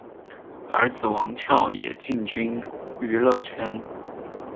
儿子王骁也进军娱乐圈。